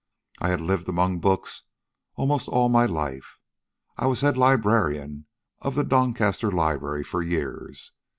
I had lived among books almost all my life. I was head librarian of the Doncaster Library for years.